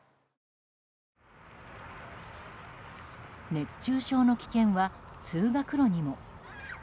熱中症の危険は、通学路にも。